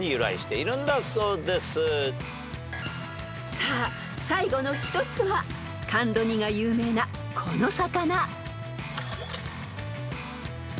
［さあ最後の１つは甘露煮が有名なこの魚］